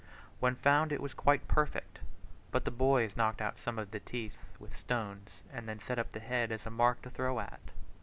When found it was quite perfect; but the boys knocked out some of the teeth with stones, and then set up the head as a mark to throw at.